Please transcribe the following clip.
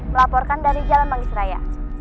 melaporkan dari jalan manggis raya